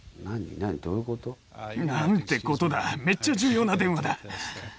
何何？なんてことだ、めっちゃ重要な電話だ。